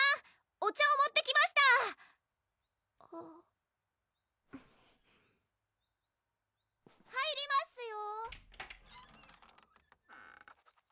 お茶を持ってきましたあっうん入りますよ